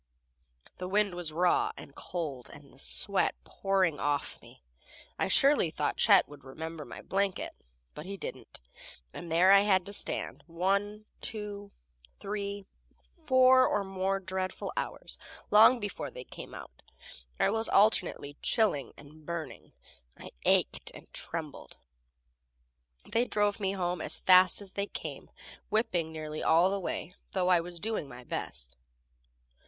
The wind was raw and cold, and the sweat pouring off me. I surely thought Chet would remember my blanket, but he didn't, and there I had to stand one, two, three, four or more dreadful hours. Long before they came out I was alternately chilling and burning. I ached and trembled. They drove home as fast as they came, whipping nearly all the way, though I was doing my best.